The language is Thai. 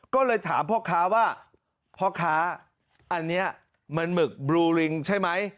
ก็เลยถามพ่อค้าว่าพ่อค้าอันนี้มันหมึกบลูลิงใช่ไหม